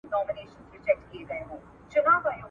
پښتنو په ادبي او فرهنګي برخه کې ډېر چوپړونه وهلي دي.